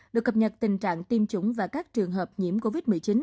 được cập nhật tình trạng tiêm chủng và các trường hợp nhiễm covid một mươi chín